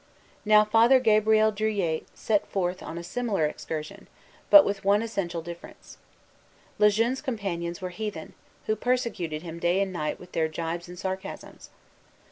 Now Father Gabriel Druilletes sets forth on a similar excursion, but with one essential difference. Le Jeune's companions were heathen, who persecuted him day and night with their gibes and sarcasms.